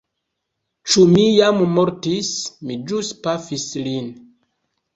Ĉu mi jam mortis? Mi ĵus pafis lin.